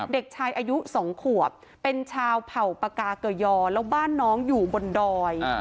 เด็กชายอายุ๒ขวบเป็นชาวเผ่าปากาเกยอแล้วบ้านน้องอยู่บนดอย